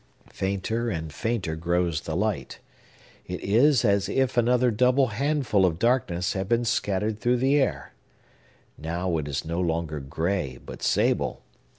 Fainter and fainter grows the light. It is as if another double handful of darkness had been scattered through the air. Now it is no longer gray, but sable.